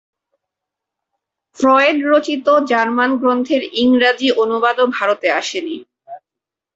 Freud রচিত German গ্রন্থের ইংরাজী অনুবাদও ভারতে আসেনি।